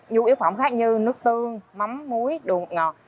dũng yếu phẩm khác như nước tương mắm muối đuốc ngọt